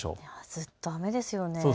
ずっと雨ですよね。